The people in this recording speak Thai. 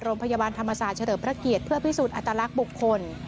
โรงพยาบาลธรรมศาสตร์เฉลิมพระเกียรติเพื่อพิสูจน์อัตลักษณ์บุคคล